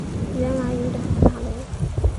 原来有两个大楼